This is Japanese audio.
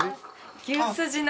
牛すじの。